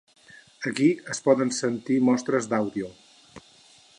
Aquí es poden sentir mostres d'àudio.